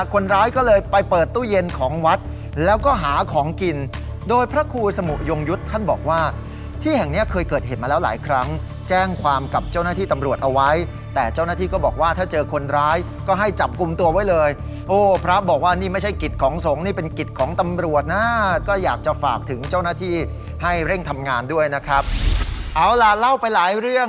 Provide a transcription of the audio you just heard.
คนร้ายก็เลยไปเปิดตู้เย็นของวัดแล้วก็หาของกินโดยพระครูสมุยงยุทธ์ท่านบอกว่าที่แห่งเนี่ยเคยเกิดเห็นมาแล้วหลายครั้งแจ้งความกับเจ้าหน้าที่ตำรวจเอาไว้แต่เจ้าหน้าที่ก็บอกว่าถ้าเจอคนร้ายก็ให้จับกุมตัวไว้เลยโอ้พระบอกว่านี่ไม่ใช่กฤตของสงฆ์นี่เป็นกฤตของตำรวจน่ะก็อยากจะฝากถึงเ